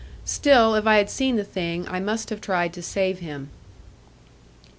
Still, if I had seen the thing, I must have tried to save him.